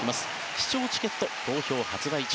視聴チケット、好評発売中。